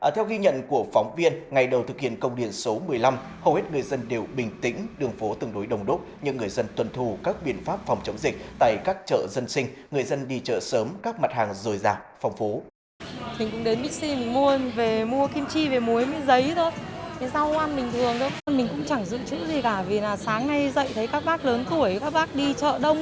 theo ghi nhận của phóng viên ngày đầu thực hiện công điện số một mươi năm hầu hết người dân đều bình tĩnh đường phố tương đối đông đốt nhưng người dân tuân thu các biện pháp phòng chống dịch tại các chợ dân sinh người dân đi chợ sớm các mặt hàng dồi dạc phong phố